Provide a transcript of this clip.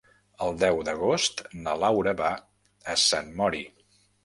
El deu d'agost na Laura va a Sant Mori.